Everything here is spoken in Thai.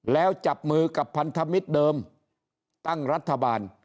แล้วจับมือกับพันธมิตรเดิมตั้งรัฐบาล